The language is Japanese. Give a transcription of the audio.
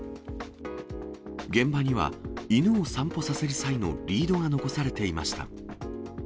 現場には、犬を散歩させる際のリードが残されていました。